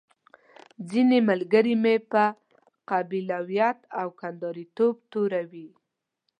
ځينې ملګري مې په قبيلويت او کنداريتوب توروي.